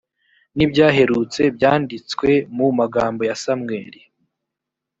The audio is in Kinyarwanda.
n ibyaherutse byanditswe mu magambo ya samweli